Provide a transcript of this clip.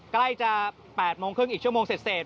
ใกล้จะ๘โมงครึ่งอีกชั่วโมงเสร็จ